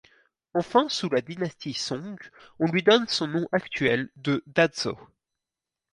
Enfin, sous la dynastie Song, on lui donna son nom actuel de Dazhou.